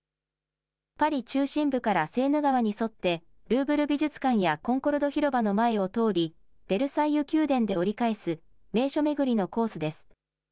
パリ中心部からセーヌ川に沿って、ルーブル美術館やコンコルド広場の前を通り、ベルサイユ宮殿で折り返す、名所巡りのコースです。